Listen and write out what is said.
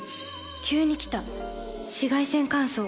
急に来た紫外線乾燥。